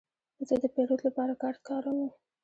زه د پیرود لپاره کارت کاروم.